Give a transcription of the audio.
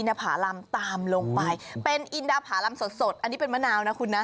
อินทภารำตามลงไปเป็นอินทภารำสดอันนี้เป็นมะนาวนะคุณนะ